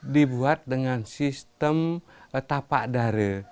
dibuat dengan sistem tapak dare